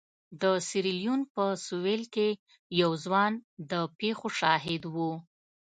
د سیریلیون په سوېل کې یو ځوان د پېښو شاهد و.